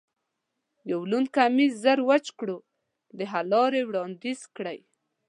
یو لوند کمیس زر وچ کړو، د حل لارې وړاندیز کړئ.